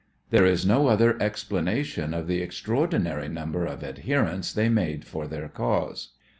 There is no other explanation of the extraordinary number of adherents they made for their cause.